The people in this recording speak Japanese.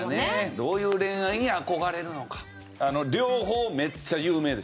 どういう恋愛に憧れるのか。